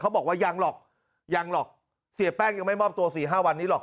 บอกว่ายังหรอกยังหรอกเสียแป้งยังไม่มอบตัว๔๕วันนี้หรอก